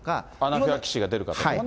アナフィラキシーが出る方とかね。